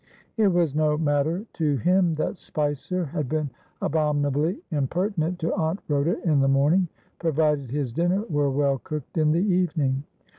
It was no matter to him that Spicer had been abominably impertinent to Aunt Rhoda in the morning, provided his dinner were well cooked in the evening.